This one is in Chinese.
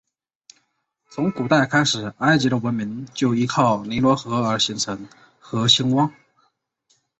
从古代开始埃及的文明就依靠尼罗河而形成和兴旺。